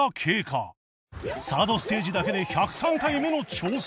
サードステージだけで１０３回目の挑戦